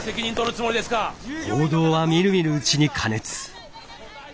⁉報道はみるみるうちに過熱。